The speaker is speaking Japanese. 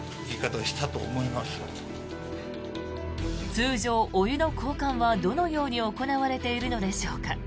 通常、お湯の交換はどのように行われているのでしょうか。